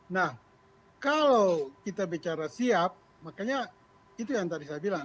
nah kalau kita bicara siap makanya itu yang tadi saya bilang